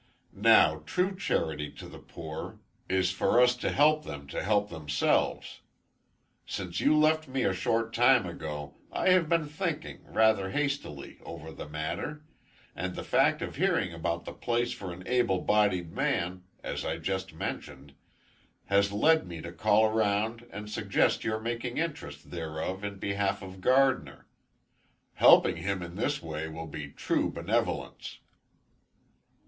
Now, true charity to the poor is for us to help them to help themselves. Since you left me a short time ago, I have been thinking, rather hastily, over the matter; and the fact of hearing about the place for an able bodied man, as I just mentioned, has led me to call around and suggest your making interest therefor in behalf of Gardiner. Helping him in this way will be true benevolence."